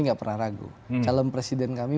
nggak pernah ragu calon presiden kami